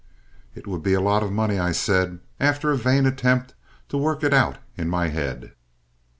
"It would be a lot of money," I said, after a vain attempt to work it out in my head.